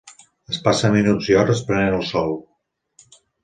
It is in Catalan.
Es passa minuts i hores prenent el sol.